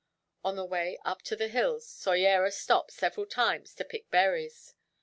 On the way up the hills Soyera stopped, several times, to pick berries.